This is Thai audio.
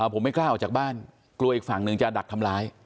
ผมไม่กล้าออกจากบ้านกลัวอีกฝั่งหนึ่งจะดักทำร้าย